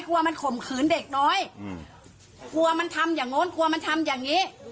ว่ามันข่มขืนเด็กน้อยอืมกลัวมันทำอย่างโน้นกลัวมันทำอย่างนี้